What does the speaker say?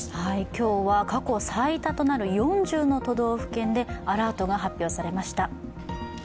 今日は過去最多となる４０の都道府県でアラートが発表されました。